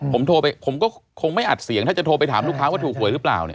ผมโทรไปผมก็คงไม่อัดเสียงถ้าจะโทรไปถามลูกค้าว่าถูกหวยหรือเปล่าเนี่ย